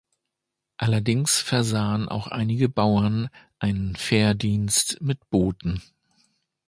Allerdings versahen auch einige Bauern einen Fährdienst mit Booten.